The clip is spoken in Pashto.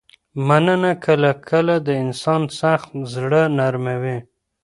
مننه کله کله د انسان سخت زړه نرموي.